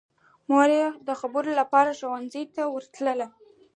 مور به یې د خبرو لپاره ښوونځي ته ورتله